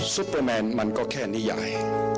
ซุปเปอร์แมนมันก็แค่นิยาย